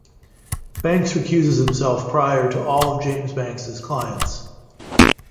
Banks recuses himself prior to all of James Banks' clients.